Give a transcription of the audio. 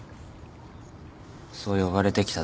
そう呼ばれてきただけだ。